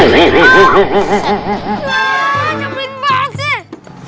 wah nyebelin banget sih